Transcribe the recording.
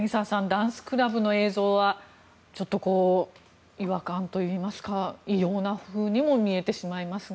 ダンスクラブの映像はちょっと違和感といいますか異様なふうにも見えてしまいますが。